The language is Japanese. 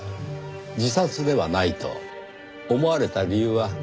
自殺ではないと思われた理由はなんでしょう？